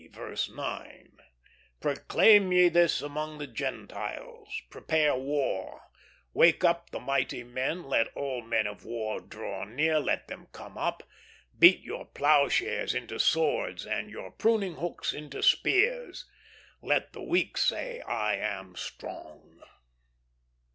v. 9: "Proclaim ye this among the Gentiles: Prepare war, wake up the mighty men, let all men of war draw near; let them come up. Beat your ploughshares into swords, and your pruning hooks into spears; let the weak say, I am strong."